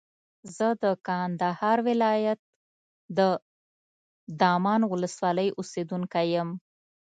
زه د کندهار ولایت د دامان ولسوالۍ اوسېدونکی یم.